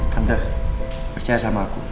tante percaya sama aku